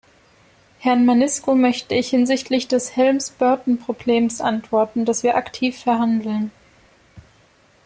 Herrn Manisco möchte ich hinsichtlich des Helms-Burton-Problems antworten, dass wir aktiv verhandeln.